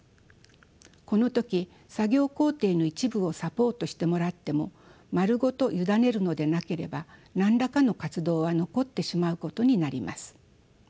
この時作業工程の一部をサポートしてもらっても丸ごと委ねるのでなければ何らかの活動は残ってしまうことになります。